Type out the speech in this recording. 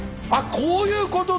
こういうことで。